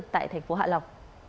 tại thành phố hạ lộc